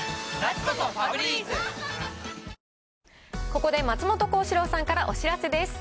ここで、松本幸四郎さんからお知らせです。